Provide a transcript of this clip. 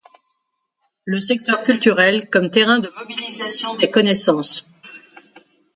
Le secteur culturel comme terrain de mobilisation des connaissances.